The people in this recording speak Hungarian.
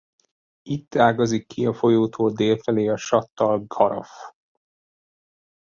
Itt ágazik ki a folyótól dél felé a Satt-al-Gharraf.